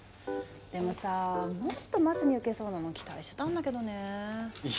でもさあもっとマスに受けそうなの期待してたんだけどねえ。